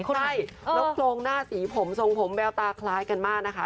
ใช่แล้วโครงหน้าสีผมทรงผมแววตาคล้ายกันมากนะคะ